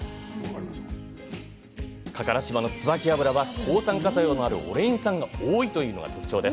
加唐島のツバキ油は抗酸化作用のあるオレイン酸が多いというのが特徴。